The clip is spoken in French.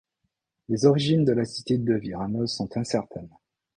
Les origines de la cité de Vinaròs sont incertaines.